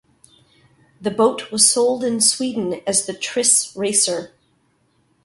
The boat was sold in Sweden as the Triss Racer.